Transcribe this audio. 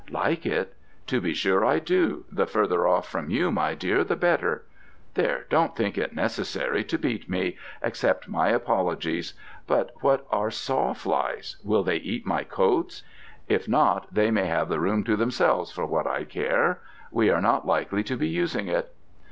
"Like it? To be sure I do; the further off from you, my dear, the better. There, don't think it necessary to beat me: accept my apologies. But what are sawflies? will they eat my coats? If not, they may have the room to themselves for what I care. We are not likely to be using it."